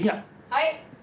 はい。